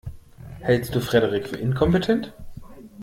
Hältst du Frederik für inkompetent?